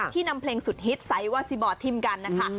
ที่นำเพลงสุดฮิตไซว่าซีบอร์ดทีมกัน